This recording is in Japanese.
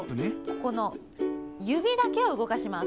ここのゆびだけをうごかします。